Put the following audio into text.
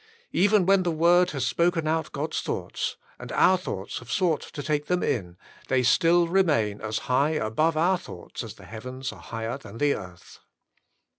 ^' Even when the Word has spoken out God's thoughts, and our thoughts have sought to take them in, they still remain, as high above our thoughts as the heavens are higher than the earth.